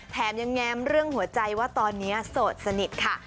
แถมยังแง้มเรื่องหัวใจว่าตอนนี้โสดสนิทค่ะ